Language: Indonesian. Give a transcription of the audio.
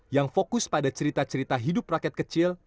yang fokus pada cerita cerita hidup rakyat kecil